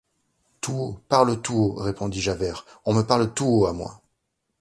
Tout haut! parle tout haut ! répondit Javert ; on me parle tout haut à moi !